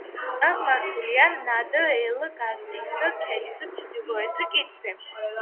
აღმართულია ნადელგრატის ქედის ჩრდილოეთ კიდეზე.